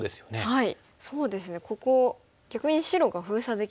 はい。